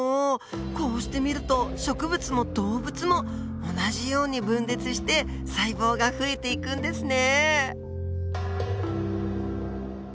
こうして見ると植物も動物も同じように分裂して細胞が増えていくんですね。